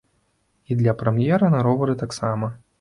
І для прэм'ера на ровары таксама.